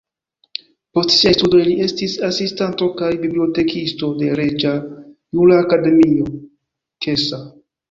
Post siaj studoj li estis asistanto kaj bibliotekisto de Reĝa Jura Akademio (Kassa).